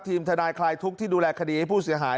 ทีมทนายคลายทุกข์ที่ดูแลคดีให้ผู้เสียหาย